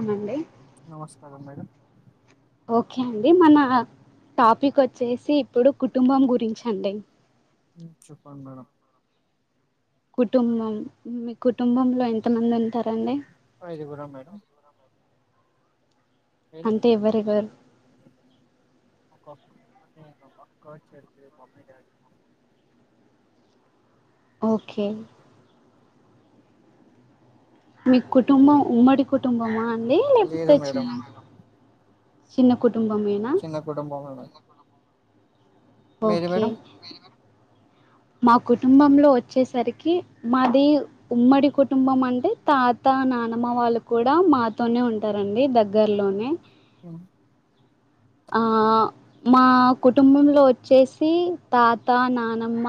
అవునండి నమస్కారం madam okay అండి మన టాపిక్ వచ్చేసి ఇప్పుడు కుటుంబం గురించి అండి చెప్పండి మేడం కుటుంబం మీ కుటుంబంలో ఎంత మంది ఉంటారు అయిదు గురం మేడమ్ మీరు అంటే ఎవరేవరు ఒక అక్క చెల్లి మమ్మీ డాడీ ఓకే మీకుడ్ కుటుంబం ఉమ్మడి కుటుంబం ఆ అండి లేదు లేకపోతే మేడం చిన్న చిన్న కుట్ చిన్న కుటుంబమే మే ఓకే మా కుటుంబంలో వచ్చేసరికి మాది ఉమ్మడి కుటుంబం అంటే తాత నానమ్మ వాళ్ళు కూడా మాతోనే ఉంటారండి దగ్గర్లోనే అ ఆ మా కుటుంబంలో వచ్చేసి తాత నానమ్మ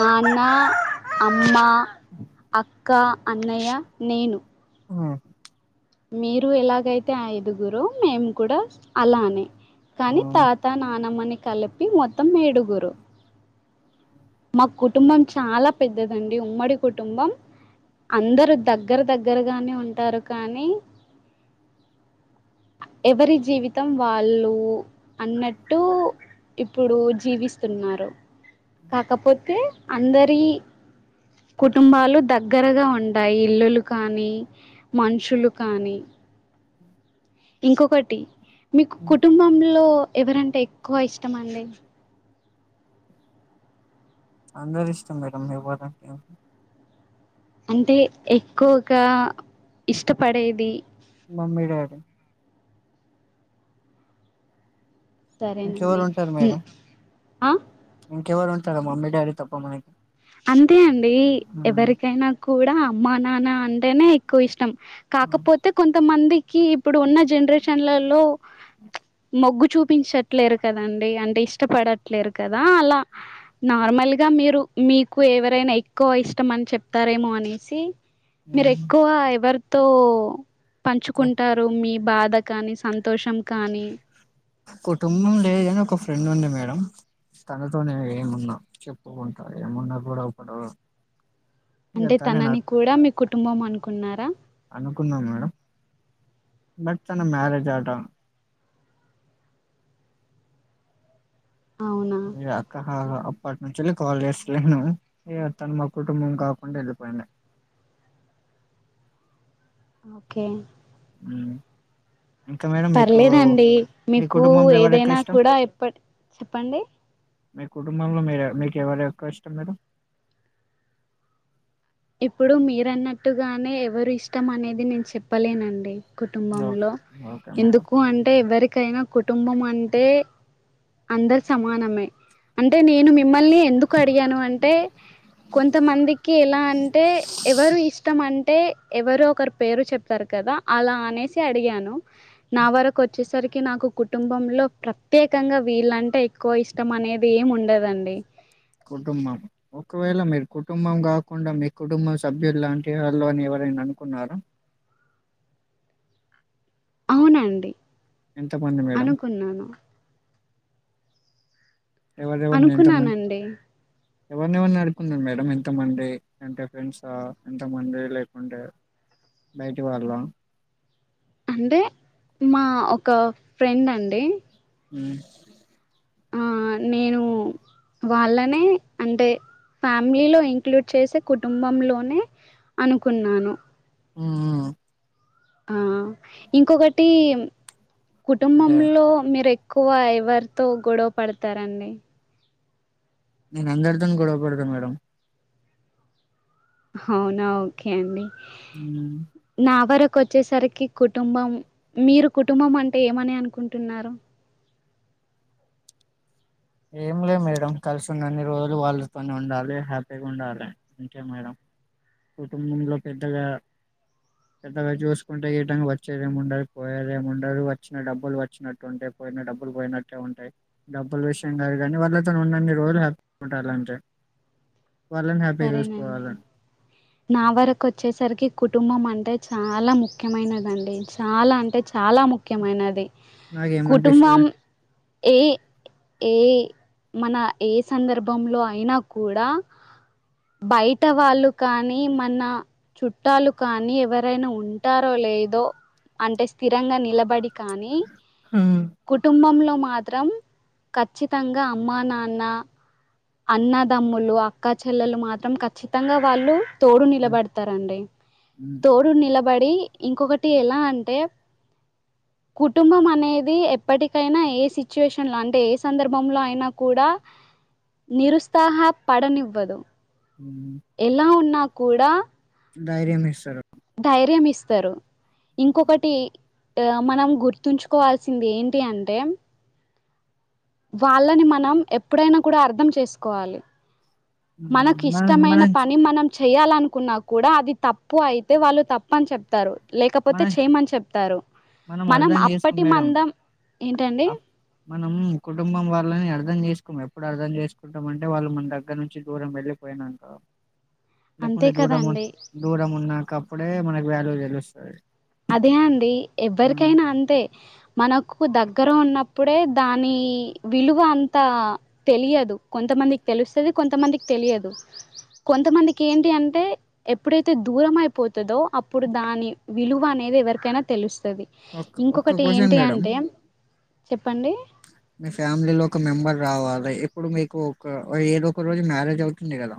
నాన్న అమ్మ అ క్ క్క అన్నయ్య నేను ఆ మీరు ఎలాగైతే ఐదుగురో మేము కూడా అలానే కానీ ఉమ్, తాత నానమ్మని కలిపి మొత్తం ఏేడుగురు మా కుటుంబం చాలా పెద్దదండి ఉమ్మడి కుటుంబం అందరూ దగ్గర దగ్గరగానే ఉంటారు కానీ ఎవరి జీవితం వాళ్ళు అన్నట్టు ఇప్పుడు జీవిస్తున్నారు కాకపోతే అందరి కుటుంబాలు దగ్గరగా ఉంటాయి ఇల్లులు కానీ మనుషులు కానీ ఇంకొకటి మీకు ఉమ్. కుటుంబంలో ఎవరంటే ఎక్కువ ఇష్టమండి అందరు ఇష్టం మేడం మీవ్వాలంట ఇంకా అంటే ఎక్కువగా ఇష్టపడేది మమ్మీ డాడీ ఇంకెవరు సరేనండి ఉంటారు ఉ ఆ కేవారూంటారు మమ్మి డాడి తప్ప మనకి అంతే అండి ఉమ్, ఎవరికైనా కూడా అమ్మా నాన్న అం టెనే ఎక్కువ ఇస్ ష్టం ఉమ్, కాకపోతే కొంతమంది కి ఇప్పుడు ఉన్న జనరేషన్లలో మొగ్గు చూపించట్లేరు కదండి అంటే ఇష్టపడట్లేరు కదా అలా నార్మల్గా మీరు మీకు ఎవరైనా ఎక్కువ ఇష్టం అని చెప్తారేమో అనేసి మీరు ఉమ్. ఎక్కువ ఎవరు తో పంచుకుంటారు మీ బాధ కానీ సంతోషం కానీ కుటుంబం లేదని ఒక ఫ్రెండ్ ఉంది మేడం తనతోనే ఏమున్నా చెప్పుకుంటా ఏమున్నా కూడా ఒకడు ఇక అంటే తనే తనని నాకు కూడా మీకు కుటుంబం అనుకున్నారా అనుకున్నాం మేడం బట్ తన మ్యారేజ్ ఆట అవునా ఏ అక్క హ హా అప్పటి నుంచేళ్ళి కాల్ చేస్తలేను ఇగ తను మా కుటుంబం కాకుండా ఏళ్ళిపోయింది ఓకే ఉ పర్లేదండి మీ మీకు కుటుంబంలో ఎవరు ఎక్కువ ఏదైనా ఇష్టం కూడా ఎప్పటి చెప్పండి మీ కుటుంబంలో మీరు మీకు ఎవరు ఎక్కువ ఇష్టం మీరు ఇప్పుడు మీరన్నట్టుగానే ఎవరు ఇష్టం అనేది నేను చెప్పలేనండి ఓకే కుటుంబంలో ఓకే మేడం ఎందుకు అంటే ఎవరికైనా కుటుంబం అ అంటే అందరు సమానమే అంటే నేను మీ మిమ్మల్ని ఎందుకు అడిగాను అంటే కొంతమందికి ఎలా టె ఎవరు ఇష్టం అంటే ఎవరో ఒకరు పేరు చెప్తారు కదా అలా అనేసి అడిగాను నా వరకు వచ్చేస్ సరికి నాకు కుటుంబంలో ప్రత్యేకంగా వీళ్ళంటే ఎక్కువ ఇష్టం అనేది ఏమి ఉండదండి కుటుంబం ఒకవేళ మీరు కుటుంబం కాకుండా మీ కుటుంబం సభ్యులు లాంటి వాళ్ళు అని ఎవరైనా అనుకున్నారా అవునండి ఎంతమంది మేడం అనుకున్నాను అనుకున్నానండి ఎవరిని ఎవరిని అడుకున్నారుం మేడం ఎంతమంది అంటే ఫ్రెండ్స్ ఎంతమంది లేకుంటే బయటి వాళ్ళ అంటే మా ఒక ఫ్రెండ్ అండి ఉ ఆ నేను వాళ్ళనే అంటే ఫ్యామిలీ లో ఇంక్లూడ్ చేసే కుటుంబంలోనే అనుకున్నాను మ్మ్ ఆ ఇంకొకటి అంటే కుటుంబంలో మీరు ఎక్ క్కువ ఎవరితో గొడవ పడతారండి నేను అందరి తోన్ గొడవ పడుతను మేడం అవునా ఓకే అండి మ్మ్ నా వరకు వచ్చేసరికి కుటుంబం మీరు కుటుంబం అంటే ఏమని అనుకుంటున్నారు ఏం లే మేడం కలిసున్నన్ని రోజులు వాళ్ళతోనే ఉండాలి హ్యాపీగా ఉండాలి అంతే మేడం కుటుంబంలో పెద్దగా పెద్దగా చూసుకుంటే ఈ టైమ్ వచ్చేదేముండదు పోయేదేముండదు వచ్చిన డబ్బులు వచ్చినట్టే ఉంటాయి పోయిన డబ్బులు పోయినట్టే ఉంటాయి డబ్బులు విషయం కాదు కానీ వాళ్ళతోను ఉన్న అన్ని రోజులు [inaudible] ఉంటాలంటే వాళ్ళని హ్యాపీగా సరేనండి చూసుకోవాలి నా వరకు వచ్చేసరికి కుటుంబం అంటే చాలా ముఖ్యమైనదండి చాలా అంటే చాలా ముఖ్యమైనది నాకేమనిపిస్తది కుటుంబం ఏ ఏ మన ఏ సందర్భంలో అయినా కూడా బయట వాళ్ళు కానీ మన చుట్టాలు కానీ ఎవరైనా ఉంటారో లేదో అంటే స్థిరంగా నిలబడి కానీ కుటుంబంలో మాత్రం ఖచ్చితంగా అమ్మా నాన్న అన్నదమ్ములు అక్క చెల్లెలు మాత్రం ఖచ్చితంగా వాళ్ళు తోడు నిలబడుతారండి తోడు నిలబ పడి ఇంకొకటి ఎలా అంటే కుటుంబం అనేది ఎప్పటికైనా ఏ సిచ్యుయేషన్ లో అంటే ఏ సందర్భంలో అయినా కూడా నిరుత్సాహ పడనివ్వదు ఎలా ఉన్నా కూడా ధైర్యం ఇస్తారు ధైర్యం ఇస్తారు ఇంకొకటి ఆ మనం గుర్తుంచుకోవాల్సింది ఏంటి అంటే వాళ్ళని మనం ఎప్పుడైనా కూడా అర్థం చేసుకోవాలి మనకి ఉమ్, మనం ఇష్టమైన మనం పని మనం చెయ్యాలనుకున్నా కూడా అది తప్పు అయితే వాళ్ళు తప్ప అని చెప్తారు లేకపోతే మనం చేయమని చెప్తారు మనం అర్థం చేసుకోం అప్పటి మేడం మందం ఏంటండి ఆ మనం కుటుంబం వాళ్ళని అర్థం చేసుకోము ఎప్పుడు అర్థం చేసుకుంటాం అంటే వాళ్ళు మన దగ్గర నుంచి దూరం వెళ్ళిపోయినా కా అంతే లేకుండే దూరమున్ కదండి దూరమున్నా కప్పుడు అంటే మనకి వ్యాల్యూ తెలుస్తది అదే అండి ఎవ్వరికైనా అంతె మనక్ దగ్గర ఉన్నప్పుడే దానీ విలువ అంతా తెలియదు కొంతమందికి తెలుస్తది కొంతమందికి తెలియదు కొంతమందికి ఏంటి అంటే ఎప్పుడైతే దూరం అయిపోతదో అప్పుడు దాని విలు వ అనేది ఎవరికైనా తెలుస్తద్ ది ఒక్క ఇంకొకటీ ఏంటి అంటే చెప్ మి ఫ్యామిలీ లో ఒక మెంబర్ రావాల్ అ ఇప్పుడు మీకు ఒక ఏదో ఒక రోజు మ్యారేజ్ అవుతుంది గదా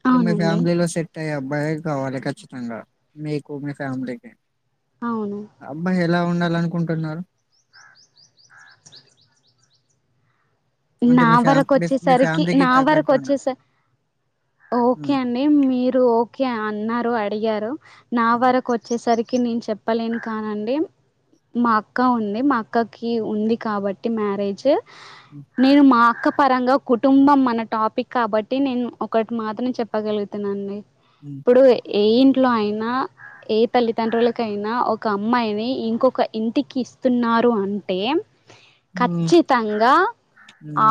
ఇప్పుడు మీ అవునండి ఫ్యామిలీలో సెట్ అయ్యామ్ బ్బయే కావాలి ఖచ్చితంగా మీకు మీ ఫ్యామిలీకి అవును అబ్బాయి ఎలా ఉండాలనుకుంటున్నారు అంటే నా మీ ఫ్యా మీ మీ వరకొచ్చేసరికి ఫ్యామిలీకి నా తగ్గట్టున్న వరకోచ్చేస ఓకే అండి మీరు ఓకే అన్నారు అ అయ్యార నా వరకొచ్చేసరిక్ కి నేన్ చెప్పలేను కానండి మా అక్క ఉంది మ అక్కకి ఉంది కాబట్టి మ్యారేజ్ ఉ నేను మా అక్క పరంగా కుటుంబం అన టాపిక్ కాబట్టి నేన్ ఒకట్ మాత్రం చెప్పగలుగుతునండి ప్పడు ఎ ఏ ఇంట్లొ ఐనా ఏ తల్లిదండ్రులకైనా ఒక అమ్మాయిని ఇంకొక ఇంటికి ఇస్తున్నారు అంటే ఖచ్చితంగా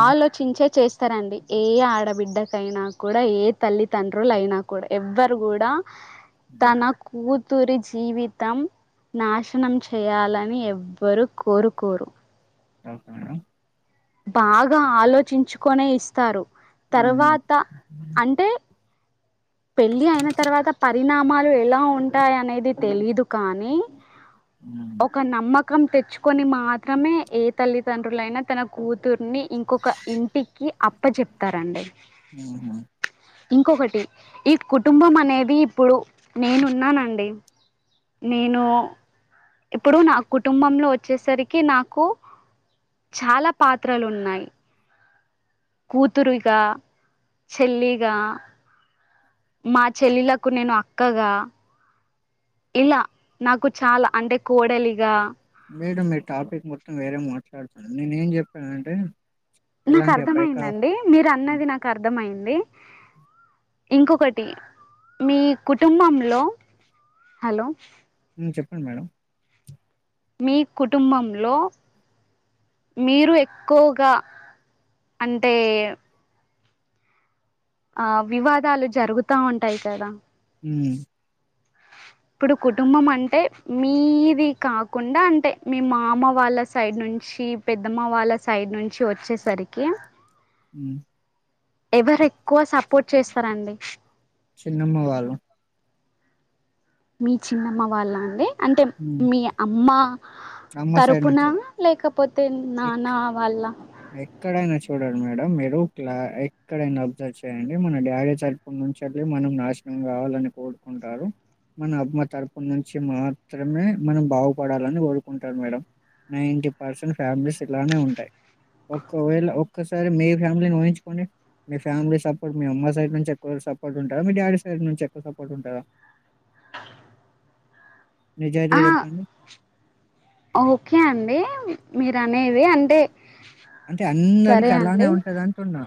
ఆలోచిం చేే చేస్తరండి ఏ ఆడబిడ్డకైనా కూడా ఏ తల్లిదండ్రులు ఐనా కూడా ఎవ్వరు గుడా తన కూ తురి జీవితం నాశనం చేయాలని ఎవ్వరూ కోరుకోరు ఒకే మేడం బాగా ఆలోచించుకొనే ఇస్తారు మ్మ్ తర్వాత అంటే పెళ్ళి ఐన తర్వాత పరి ణామాలు ఎలా ఉంటాయనేది తెలీదు కానీ ఒక నమ్మక్ క్కం తెచ్చుకొని మాత్రమే ఏ తల్లిదండ్రులైన తన కూతుర్ని ఇంకొక ఇంటికి అప్ప చెప్తారండి మ్మ్ ఇంకొకటి ఈ కుటుంబం అనేది ఇప్పుడు నేనున్నానండి నేను ఇప్పుడు నా కుటుంబంలో వచ్చేసరికి నాకు చాలా పాత్రలు ఉన్నాయి కూతురిగా చెల్లిగా మా చెల్లిలకు నేను అక్కగా ఇలా నాకు చాలా అంటే కోడలిగా మేడం మీ టాపిక్ మొత్తం వేరే మాట్లాడుతున్నాను నేను ఏం చెప్పానంటే నాకు ఎలాంటి అబ్బాయి కా అర్థమయిందండి మీరు అన్నది నాకు అర్థమయింది ఇంకొకటి మీ కుటుంబంలో హలో చెప్పండి మేడం మీ కుటుంబంలో మీరు ఎక్కువగా అంటే ఆ వివాదాలు జరుగుతా ఉంటాయి కదా హమ్ ఇప్పుడు కుటుంబం అంటే మీది కాకుండా అంటే మీ మామ వాళ్ళ సైడ్ నుంచి పెద్దమ్మ వాళ్ళ సైడ్ నుంచి వచ్చేసరికి హమ్ ఎవరు ఎక్కువ సపోర్ట్ చేస్తారండి చిన్నమ్మ వాళ్ళు మీ చిన్నమ్మ వాళ్ళ అండి అంటే మ్మ్ మీ అమ్మ అమ్మ సైడ్ తరుపున నుంచి లేకపోతే ఎక్- నాన్నా వాళ్ళ ఎక్కడైనా చూడాలి మేడం మీరు క్లా ఎక్కడైనా అబ్జర్వ్ చేయండి మన డాడీ తరపు నుంచి వెళ్లి మనం నాశనం కావాలని కోరుకుంటారు మన అమ్మ తరపున నుంచి మాత్రమే మనం బాగుపడాలని కోరుకుంటారు madam ninety percent families ఇట్లానే ఉంటాయి ఒక్కవేళ ఒక్కసారి మీ ఫ్యామిలీని ఊహించుకొని మీ ఫ్యామిలీ సపోర్ట్ మీ అమ్మ సైడ్ నుంచి ఎక్కువ సపోర్ట్ ఉంటుందా మీ డాడీ సైడ్ నుంచి ఎక్కువ సపోర్ట్ ఉంటదా ఆ నిజాయితీగా చెప్పండి ఓకే అండి మీరు అనేది అంటే అంటే సరే అందరికి అలానే అండి ఉంటది అంటున్నా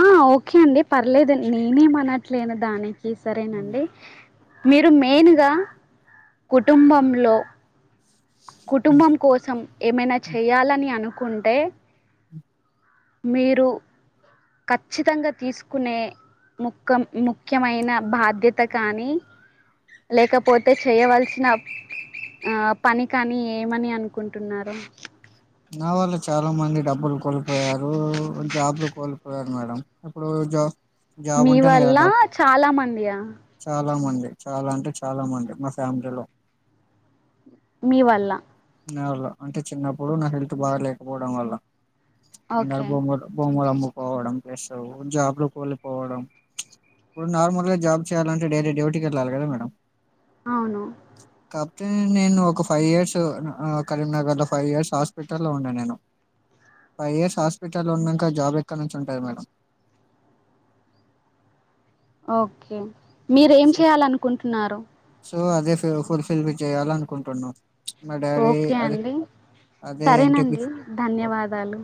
ఆ ఓకే అండి పర్లేదు నేనేం అనట్లే దానికి ఈ హ్మ్. సరేనండి మీరు మెయిన్గా కుటుంబంలో హ్మ్. కుటుంబం కోసం ఏమైనా హ్మ్. చేయ్యాలని అను కుంటే మీరు ఖచ్చితంగా తీసుకునే ముఖం ముఖ్యమైన బాధ్యత కానీ లేకపోతే చేయవలసిన ఆ పని కానీ ఏమని అనుకుంటున్నారు నా వల్ల చాలా మంది డబ్బులు కోల్పోయారు జాబ్ లు కోల్పోయారు మేడం ఇప్పుడు జాబ్ జాబ్ మీ ఉంటేనే కదా! వల్ల డబ్ చాలా మంది యా చాలా మంది చాలా అంటే చాలా మంది మా ఫ్యామిలీలో మీ వల్ల నా వల్ల అంటే చిన్నప్పుడు నా హెల్త్ బాగాలేకపోవడం వల్ల అంద ఓకే బ బోమ్మూ అమ్ పోవడం ప్లస్ జాబ్ లు కోలిపోవడం ఇప్పుడు నార్మల్ గా జాబ్ చేయాలంటే డైలీ డ్యూటీకి వెళ్ళాలి కదా మేడం అవును నేను ఒక ఫైవ్ ఇయర్స్ కరీంనగర్ లో ఫైవ్ ఇయర్స్ హాస్పిటల్లో ఉన్నాను నేను ఫైవ్ ఇయర్స్ హాస్పిటల్లో ఉన్నాక జాబ్ ఎక్కడ నుంచి ఉంటుంది మేడం ఓకే మీరెమ్ సో చేయాలనుకుంటున్నారు సో అదే ఫుల్ ఫిల్ చేయాల అనుకుంటున్నాం ఓకే అండి అదే ఎన్‌టిపి సరేనండి ధన్యవాదాలు